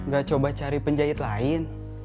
gak coba cari penjahit lain